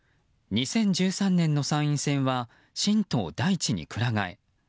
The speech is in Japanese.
２０１３年の参院選は新党大地に鞍替え。